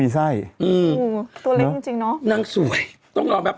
สวัสดณครับ